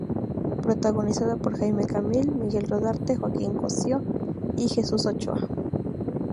Protagonizada por Jaime Camil, Miguel Rodarte, Joaquín Cosío y Jesús Ochoa.